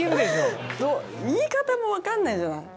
言い方もわからないじゃない。